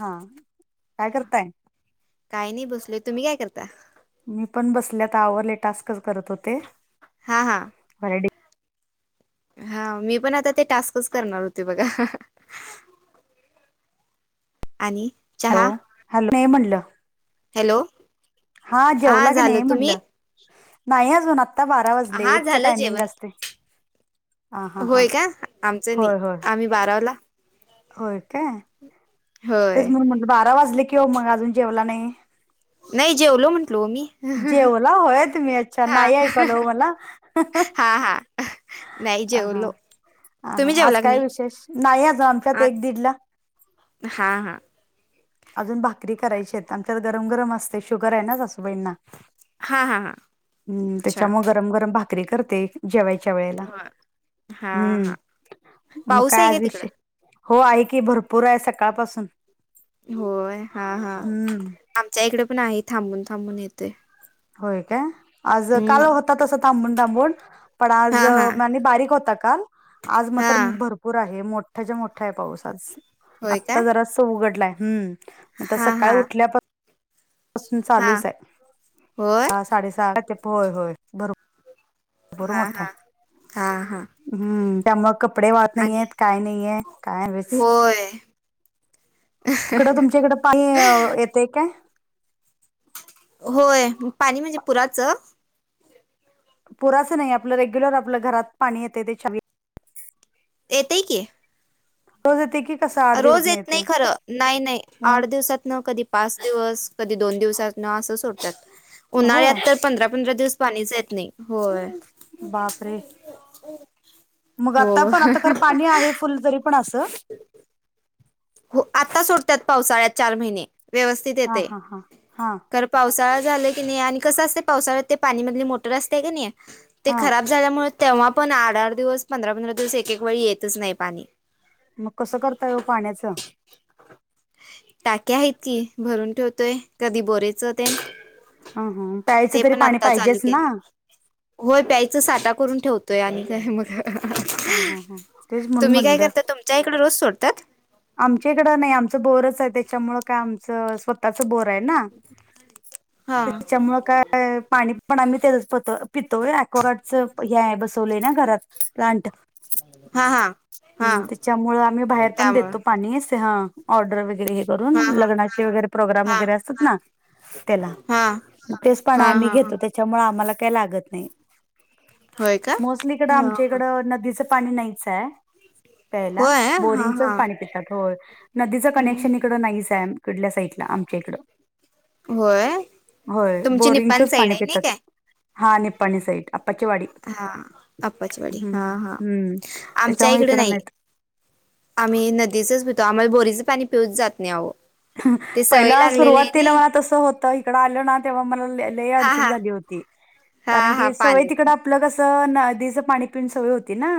हा काय करताय काय नाही बसलय तुम्ही काय करता मी पण बसल्यात आवरले टास्कच करत होते हा हा हॅलो हा मी पण आता ते टास्कच करणार होते बघा हाह. हॅलो, हॅलो नाही म्हणलं हॅलो हा जेवला की झालं नाही तुम्ही म्हटलं, नाही अजून आता आता बारा वाजले हा एकच झालं टायमिंग जेवण असते. हा हा हा होय का आमचं नाही होय होय आम्ही बाराला होय काय? होय तेच म्हणून म्हण बारा वाजले की ओ मग अजून जेवला नाही. नाही जेवलो म्हण स्लोमी जेवला होय तुम्ही अच्छा हा नाही ऐकवाल ओ मला हा हा. नाही हा जेवलो. हा हा तुम्ही आज जेवला की काय नाही विशेष नाही आ आमच्यात एक आज दीडला हा हा अजून भाकरी करायची आहेत आमच्यात गरम गरम असते शुगर आहे ना सासूबाईंना हा हा हा हम्म अच्छा त्याच्यामुळे गरम गरम भाकरी करते जेवायची वेळेला हा हम्म हा मग पाऊस काय आहे का आजष तिकडं हो आहे की भरपूर आहे सकाळपासून होय हा हा हम्म आमच्या इकडे पण आहे थांबून थांबून येते होय काय आज काल होतातसं थांबून तांबून पण आज हा हा म्ह बारीक होता का आज मग तर हा भरपूर आहे मोठ मोठ्या मोठा आहे पाऊसज होय का आत्ता जरास उघडलाय हम्म आता हा हा सकाळी उठल्या पासून हा चालूच आहे होय सहा साडे सहा होय होय बरोर घर हा मोठा हा हा हा आहे हम्म त्यामुळे कपडे वाळत आणि नाहीयेत काय नाहीये काय उगीचच होय तिकडं तुमच्या इकड पाई येते काय होय पाणी म्हणजे पुराचं पुराचं नाही आपलं रेग्युलर आपलं घरात पाणी येते ते छा येतय की रोज येते की कसं आठ रोज दिवसात येत येते नाही खर नाही नाही ह आठ दिवसात कधी पास दिवस कधी दोन दिवसात असं सोडतात होय उन्हाळ्यात तर पंधरा पंधरा दिवस पाणीच येत नाही होय बापरे मग हो आता पण आता खर पाणी आहे फुल तरी पण असं हो आता सोडत्यात पावसाळ्यात चार महिने व्यवस्थित हा येतय हा हा हा तर पावसाळत झा की नाही आणि कस असत पावसाळ पाणीमधली मोटर असते क नाही ते हा खराब झाल्यामुळे तेव्हा पण आठ आठ दिवस पंधरा पंधरा दिवस एक एक वेळी येतच नाही पाणी मग कसं करता ये पाण्याचं टाक्या आहेतत की भरून ठेवतोय कधी बोरेयचं ते ह ह प्यायचं ते तरी पण पाणी आता चालू पाहिजेच केलं ना होय प्यायचं साठा करून ठेवतोय आणि काय मग ह हो हो हो तेच तु [unintelligible] म्हणून म्ही काय करता तुमच्या इकडे रोज सोडतात आमच्याकडं नाही आमच बोरच आहे त्याच्यामुळे काय आमचं स्वतःच बोर होय ना हा त्याच्यामुळे काय पाणी पण आम्ही तेच पो पितोय अक्गार्डच हे बस बसवले ना घरात प्लांट हा हा हा त्याच्यामुळे आम्ही बाहेर पण त्यामुळं देतो ईसहा ऑर्डर वेगळे हे करुन हा हा लग्नाचे वगैरे प्रोग्राम हा वगैरे असतात ना त्याला हा हा मग तेच पण हा आम्ही हा घेतो त्याच्यामुळे आम्हाला काही लागत नाही होय का मोस्टली इकडं हा आमच्या हा इकडं नदीचं पाणी नाहीच आहे पयला होय हा बोरिंगचच हा पाणी पीतो होय नदीचं कनेक्शन इकडं नाहीच आहे कुडल्या साईडला आमच्या इकडं होय होय तुमची निपाण बोरिंगचच साईड पाणी आहे नाही पेतात काय हा निपणी सईटला हा आप्चीवाडी हा हा हम्म आमच्या त्याच्यामुळे इकडे इकडं नाही आम्ही नदीचच पितो आम्हाला बोरीच पाणी पिऊच जात नाही आहो [unintelligible] पहिला सुरुवातीला मला तसं होतं इकडं आलं ना तेव्हा मला तेव्हा लय हा अडचण हा झाली होती हा कारण हा की सगळं तिकडं पाणीच आपलं कसं त नदीच पाणी पिऊन सवय होती ना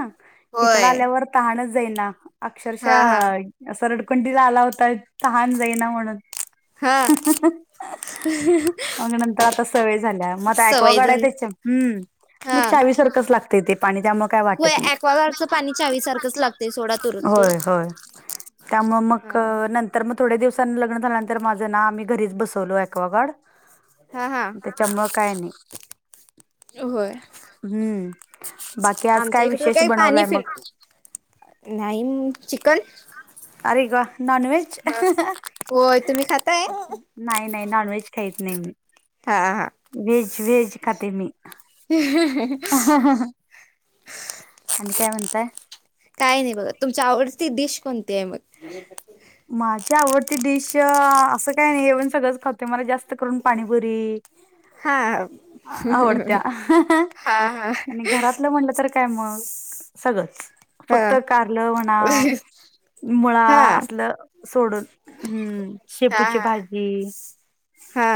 इकडं होय आल्यावर तहणच जाईना हा हा अक्षरशः अस आ रडकुडीला आला होतायत ऑन लाइन अ महणून हा [unintelligible] मग नंतर आता सवय झाल्या मग ऐकवा सवय गड आहे झाली त्याच्या हम् हा मग चावीसारखच लागत तेथ पाणी त्यामुळे काय होय वाटत नाही ॲक्वागार्डचं पाणी चावीसारखंच लागतंय सोडा तुरत [unintelligible] होय तुरत होय त्यामुळे मग अ हा नंतर मग थोड्या दिवसांनी लग्न झाल्यानंतर माझं ना आम्ही घरीच बसवलो ऐवा गड हा हा त्याच्यामुळे काय नाही होय हम्म बाकी आज काय आमच्या इकड विशेष काही पाणी बनवलाय मग फिरत नाही चिकन अरे वा नॉन वहेज [unintelligible] होय तुम्ही खाताय हा नाही नाही नॉनव्हेज काहीत नाही मी हा वेज वेहेज खाते मी [unintelligible] आणि काय म्हणताय काय नाही बघा तुमची आवडती डिश कोणती आहे मग माझी आवडती डिश अ असं काय नाही जेवण सगळंच खातते मला जास्त करून पाणीपुरी हा आवडत्या हा हा आणि घरातलं म्हणलं का मग सगळच फक्त हा हा कारल म्हणा मुळा हा अस लं सोडून हम्म हा शेपूची हा भाजी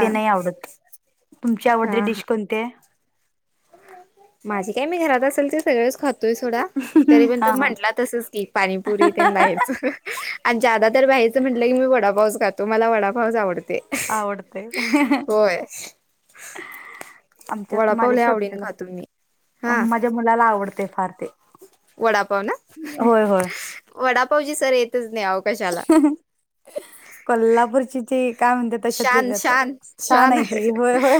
ते नाही आवडत तुमची आवडती हा डिश कोणते माझी काय मी घरात असेल ते सगळेच खातो ो सथोडा तरी पण तू हा म्हंटला तसच की पाणीपुरी ते बाहेरच आणि जा्यादा तर वयचं म्हटलं की मी वडापाऊस खातो मला वडापाऊस आवडतो ते हा आवडते होय आमच्यात वडापाव माझ्या लय आवडीन खातो मी छोट्याला हा माझ्या मुलाला आवडते फार ते वडापाव ना होय होय वडापाव जी सर येत कोल्हापूरची ते काय म्हणते तशात ल शान जातय शान छान शान आहे त होय होय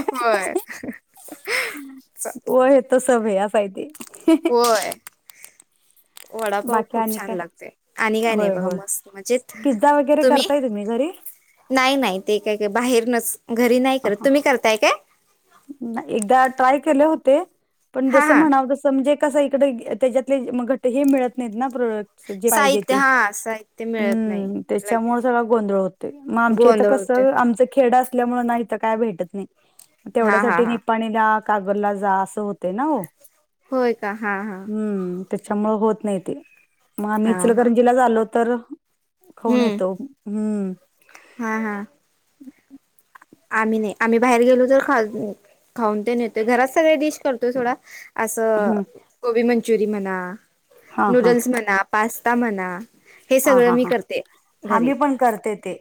व हे त स आहे असय ते होय. वडापाव बाकी खूप आणि छान काय लागते आणि काय नाही होय बघा होय मस्त म्हणज पिझ्झा वगैरे तुम्ही करताय घरी नाही नाही ते काय काय बाहेर नस एकदा ट्राय केलं हो ते पण हा जस हा म्हणाव तस म्हणजे कस इकडे त्याच्यातले घ मिळत नाही ना प्रोडक्ट जे पाहिजे साहित्य ते हा साहित्य मिळत नाही हम्म त्याच्यामुळे लगेच सगळ गोंधळ होते मग आमच्या इथ गोंधळ होते कसं आमच खेड नाही काय भेटत नाही हा हा तेवढ्यासाठी हा निणी का जा अस ते ना हो होय का हा हा हम्म त्याच्या मग होत नाही ते मग आम् हा हा मिचलकरंजीला झा आलो तर खाऊन हम्म येतो हम्म हा हा आम्ही नाही आम्ही बाहेर गेलो तर खाऊ खाऊन ते नेतोय घरात सगळ डिश करतोय थोडा असं हम्म. गोबी मंचुरीियन म्हणा हा हा नूडल्स म्हणा पास्ता म्हणा हे हा सगळं हा मी हा करते हा मी घरी पण करते ते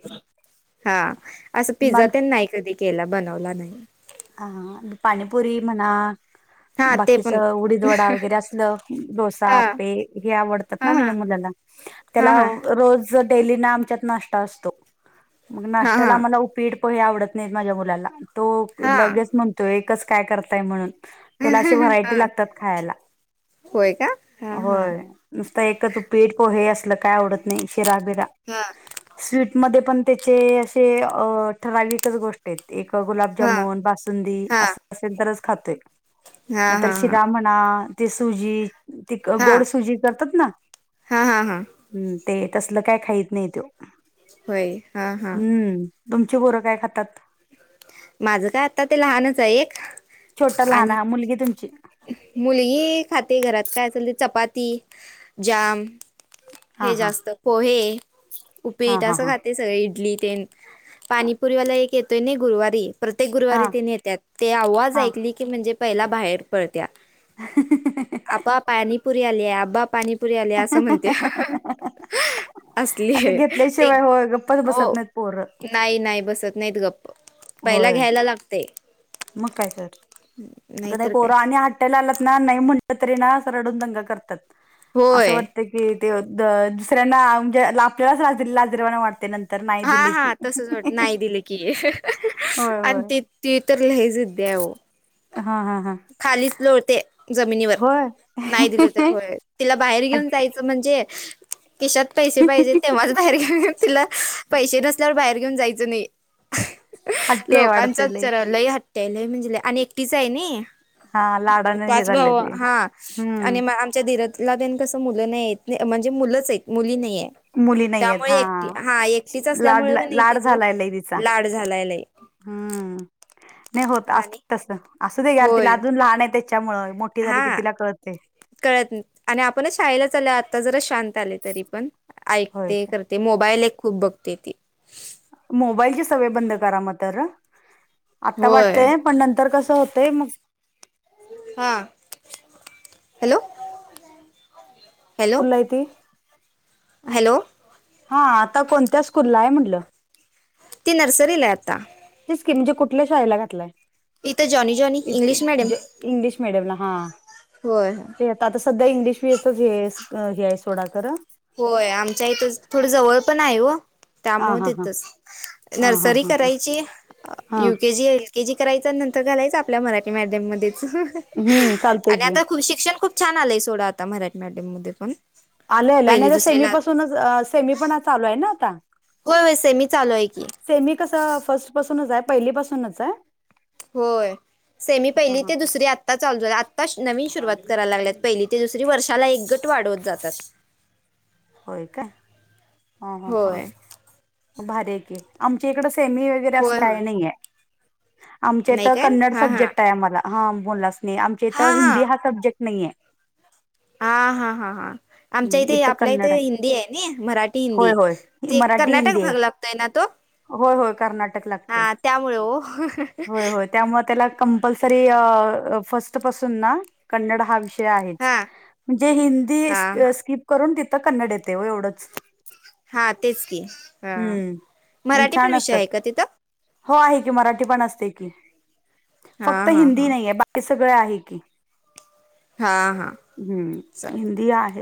हा असं पिझ्झा मग त्यां नाही कधी केला बनवला नाही. हा पाणीिपुरी मना हा ते पण बाकीचं उडीदवडा वगैरे असलं डोसा हा आपे हे आवडतात ना हा हा माझ्या मुलाला हा त्याला हा रोज आ हा हा आ प हे आवडत नाही माझ्या मुलाला तो हा लगेच म्हणतोय एकच काय करताय म्हणून त्याला अशी व्हरायटी हा लागतात खायला होय का हा हा होय नुसत एक तू पीठ पो हे असलं काय आवडत नाही शिरा बिरा हा स्वीटमध्ये पण त्याचे असे ठराविकच गोष्ट आहेत एक हा गुलाबजामुून बासुंदी हा असं असेल तरच खातोय हा हा मंत हा शिरा म्हणा ते सुजी ती हा गोड सुजी करतात ना हा हा हा ह् ते तसल काय खाहीत नाही त होय हा हा तुमची बोरं काय खातात माझं का आता ते लहानच आहे एक छोट आणि लहाना मुलगी तुमची मुलगी खाते घरात काय असल ते चपाती जाम हा हे हा जास्त पोहे हा उपीट हा असं हा खाते सगळे इडली ते पाणीपुरी वाला एक येतोय ना गुरुवारी प्रत्येक हा गुरुवारी तने येतात ते आवाज हा ऐकली की म्हणजे पहिला बाहेर आप पाणीपुरी आलेया आप पाणी पुरी आल्या असं म्हणते. आता असली आहे ते घेतल्याशिवाय होय गप्पच हो बसत नाहीत पोर नाही नाही बसत नाहीत गप्प पहिला होय घ्यायला लागते. मग काय तर कदा नाहीतर काय पोरा आणि त ना नाही म्हटलं तरी ना रडून दंग करतात असं होय वाटत की. ते दुसऱ्यांना म्हणजे आपल्यालाच ला लाजदवाना वाटते नंतर. नाही हा दिले हा की तसच वाट नाही दिलं की होय आणि होय ते ती तर लज देव. हा हा हा खालीच लोळते. जमिनीवर होय नाही दिलं तर होय तिला बाहेर घेऊन जायचं म्हणजे. किशात पैसे पाहिजे तेव्हाच बाहेर घेऊन तिला पैसे नस. ल्या बाहेर घेऊन जायचं नाही हट्टी आहे लोकांच वाटत लय चरलं ह त्यालय म्हणजे आणि एकटीच आहे ना. हा लाडाने हे पाच झाले भाऊ ते हा आणि हम्म आमच्या धीरजला बेन कस. मु नाही म्हणजे मुच मुली नाही. मुली नाही आहेत त्यामुळे एकटी हा एकटीच लाड असल्यामुळे नाही लाड तिच झालाय लय तिचा लाड झालायला आहे. हम्म. नाही होत असत तसं असू दे घ्याल तिला होय अजून लहान आहे त्याच्यामुळे मोठी झाली की हा तिला कळते. कळत नाही आणि आपणच शाळेलाच आल आता जरा शांत आले तरी पण. होय ऐकते काय? करते मोबाईल एक खूप बघते ती. मोबाईलची सवय बंद करा म आता होय वाटतय पण नंतर क. होतंय मग. हा हॅलो. हॅलो फलायती. हॅलो. हा आता कोणत्या स्कूलला आहे म्हटलं ती नर्सरीला आता. ण कुठ श घय इथं जॉनी जॉनी इंग्लिश इ मडयम ह. हो ह. सध्या इंग्लिश मी येतच हे हे आहे सोडाकर होय आमच्या इथं थोड जवळ पण आहे व. हा त्यामुळे हा हा तेतच हा हा नर्सरी हा हा करायची हा युकेजी एल केजी. कराच नंतर घालायच आपल्या मराठी मम मच हम्म चालतंय आणि की आ शिक्षण खूप. छान आलंय सोडा आता मराठी मॅडम मध्ये पण आलंय पहिली आणि आ सेमी दुसरीला पासूनच सेमी पण चालू आहे ना आता. होय होय सेमी चालू आहे की सेमी कस फर्ट पासूनच आहे पहिली पासूनच आहे. होय सेमी हा पहिली हा ते हा. दुसरी आत्ता चालू आत्ता नवीन सुरुवात. करायला लागल्यात पहिली ते दुसरी वर्षाला एक गट वाढवत जातात. होय का होय ह भारी आमच्या इकडे. सेमी वगैरे होय असलं आहे होय नाहीे. आमच्या इथ नाही काय कन्नड हां हां सब्जेक्ट आहे आम्हाला हा बोलला. नाही आमच्या इथं हां हिंदी हा सब्जेक्ट नाहीे. हा हा हा हा आमच्या हम्म, इथे. इथं आपल्या इथ कन्नड हिंदी आहे ना मराठी होय हिंदी होय ते मराठी कर्नाटक हिंदी आहे भाग लागतोय ना तो. होय होय कर्नाटक लागते हां त्यामुळे ओ हां होय होय त्यामुळे त्याला कंपल्सरी फर्स्ट पासून ना कन्नड हा विषय. हां म्हण हां ह तथ कन्डव. हा तेच की ह मराठी पण छान विषय असतात. आहे का तिथं. हो आहे की मराठी पण असते की फक्त हां हां हिंदी हां नाही. स आहे हिंद. हां हां ह च ह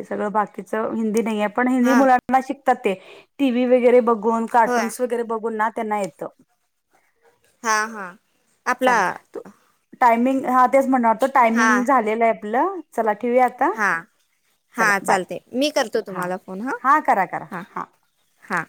हां मुं श ब गोन होय कार्टून्स वगैरे बघून ना त्यांना येतं. हा हा. आपला चालेल टायमिंग हाच म्हणणार हा टायमिंग झाले. आपलं चला ठेवया आता हा चला हा बाय. चालते मी करतो हा तुम्हाला फोन हा करा करा हा. हा